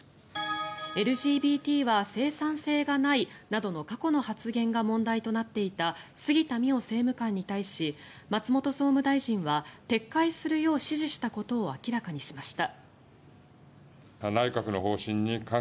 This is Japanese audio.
ＬＧＢＴは生産性がないなどの過去の発言が問題になっていた杉田水脈政務官に対し松本総務大臣は撤回するよう指示したことを明らかにしました。